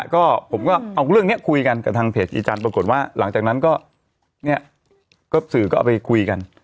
ก็ผมก็เอาเรื่องนี้คุยกันกับทางเพจอีจันทร์ปรากฏว่าหลังจากนั้นก็เนี่ยก็สื่อก็เอาไปคุยกัน